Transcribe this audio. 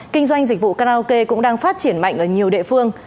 kinh doanh dịch vụ karaoke cũng đang phát triển mạnh ở nhiều địa phương